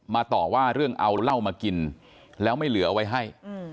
ต่อว่าเรื่องเอาเหล้ามากินแล้วไม่เหลือเอาไว้ให้